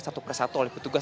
untuk persatu oleh petugas